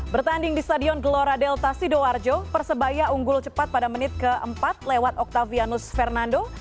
bertanding di stadion gloradel tassido arjo persebaya unggul cepat pada menit ke empat lewat octavianus fernando